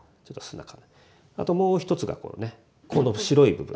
あともう一つがこの白い部分。